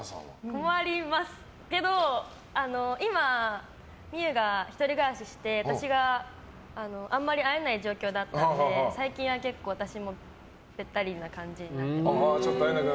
困りますけど今、望結が１人暮らしして私があんまり会えない状況だったので最近は結構、私もべったりな感じになってます。